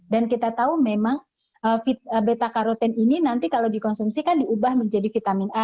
dan kita tahu memang beta karoten ini nanti kalau dikonsumsikan diubah menjadi vitamin a